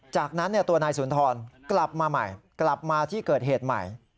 จากนั้นตัวนายสุนทรกลับมาใหม่กลับมาที่เกิดเหตุใหม่